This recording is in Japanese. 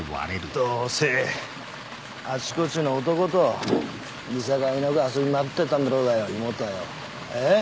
どうせあちこちの男と見境なく遊び回ってたんだろうが妹はよえっ？